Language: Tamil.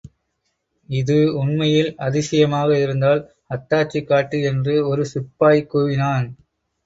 இது உண்மையில் அதிசயமாக இருந்தால் அத்தாட்சி காட்டு என்று ஒரு சிப்பாய் கூவினான்.